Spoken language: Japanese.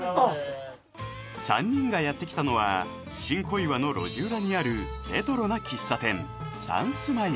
３人がやってきたのは新小岩の路地裏にあるレトロな喫茶店